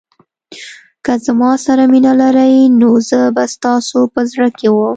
که زما سره مینه لرئ نو زه به ستاسو په زړه کې وم.